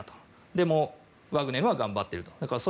でも、ワグネルは頑張っていると。